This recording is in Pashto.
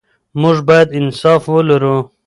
موږ باید انصاف ولرو.